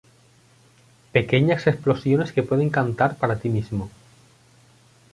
Pequeñas explosiones que puedes cantar para ti mismo.